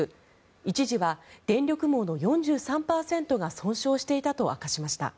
一時は電力網の４３％が損傷していたと明かしました。